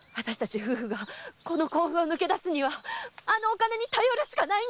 夫婦がこの甲府を抜け出すにはあのお金に頼るしかないんです！